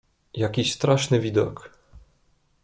"Jaki straszny widok!"